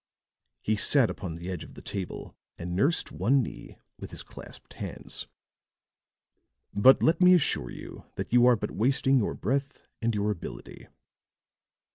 He sat upon the edge of the table and nursed one knee with his clasped hands. "But let me assure you that you are but wasting your breath and your ability."